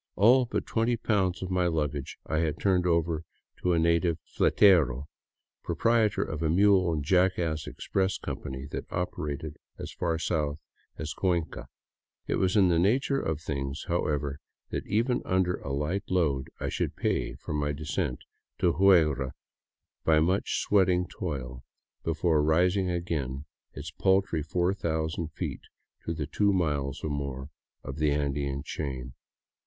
All but twenty pounds of my baggage I had turned over to a native Hetero, proprietor of a mule and jackass express com pany that operated as far south as Cuenca. It was in the nature of things, however, that even under a light load I should pay for my de scent to Huigra by much sweating toil, before raising again its paltry 4000 feet to the two miles or more of the Andean chain.